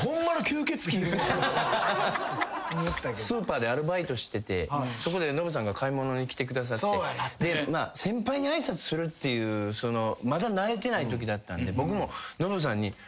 スーパーでアルバイトしててそこでノブさんが買い物に来てくださって先輩に挨拶するっていうまだ慣れてないときだったんで僕もノブさんに。